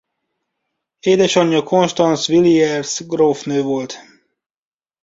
Édesanyja Constance Villiers grófnő volt.